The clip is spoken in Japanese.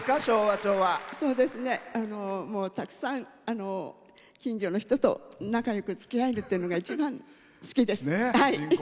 たくさん近所の人と仲よくつきあえるというのが一番好きです。